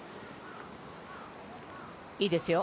いいですよ。